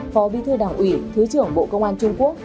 phó bí thư đảng ủy thứ trưởng bộ công an trung quốc